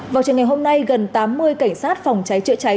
vào trường ngày hôm nay gần tám mươi cảnh sát phòng cháy chữa cháy